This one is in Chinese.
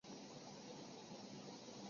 春种一粒粟，秋收万颗子。